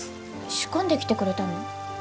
仕込んできてくれたの？